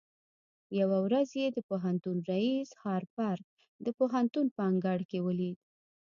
يوه ورځ يې د پوهنتون رئيس هارپر د پوهنتون په انګړ کې وليد.